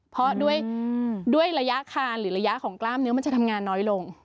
เพราะด้วยระยะคานหรือระยะของกล้ามเนื้อมันจะทำงานน้อยลง